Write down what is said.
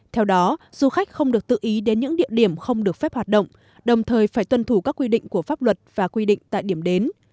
theo đó du khách không được tự ý đến những địa điểm không được phép hoạt động đồng thời phải tuân thủ các quy định của pháp luật và quy định tại điểm đến